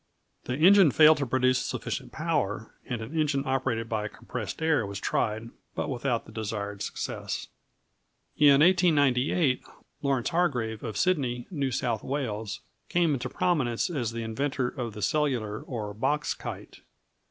The engine failed to produce sufficient power, and an engine operated by compressed air was tried, but without the desired success. In 1898, Lawrence Hargrave of Sydney, New South Wales, came into prominence as the inventor of the cellular or box kite.